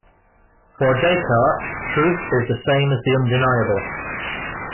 For Descartes, truth is the same as the undeniable.